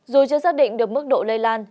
dù chưa xác định được mức độ lây lan